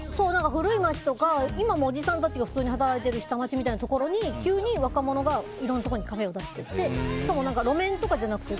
古い町とか今もおじさんたちが働いてる下町みたいなところに急に若者がいろんなところにカフェを出してて路面とかじゃなくて。